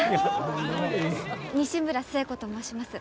西村寿恵子と申します。